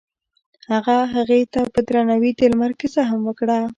هغه هغې ته په درناوي د لمر کیسه هم وکړه.